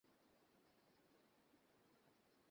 না বের হতে।